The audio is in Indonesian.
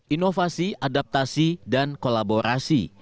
inovasi adaptasi dan kolaborasi